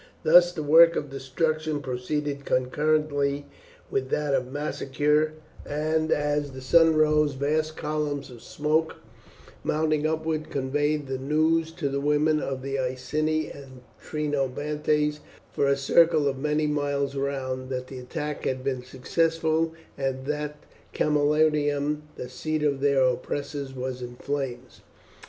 Thus the work of destruction proceeded concurrently with that of massacre, and as the sun rose vast columns of smoke mounting upwards conveyed the news to the women of the Iceni and Trinobantes for a circle of many miles round, that the attack had been successful, and that Camalodunum, the seat of their oppressors, was in flames.